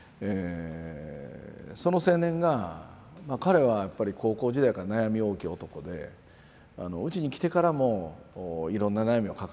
その青年が彼はやっぱり高校時代から悩み多き男でうちに来てからもいろんな悩みを抱えてたんですね。